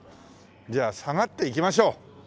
じゃあ下がっていきましょう。